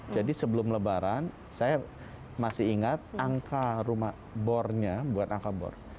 jadi sebelum lebaran saya masih ingat angka rumah bornya buat angka bor